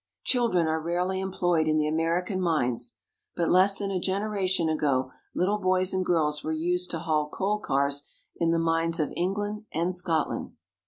Children are rarely employed in the American mines ; but less than a generation ago little boys and girls were used to haul coal cars in the mines of England and Scotland.